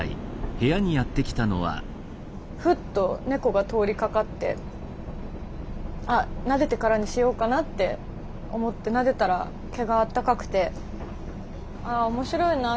ふっとネコが通りかかってあっなでてからにしようかなって思ってなでたら毛があったかくて「あ面白いな。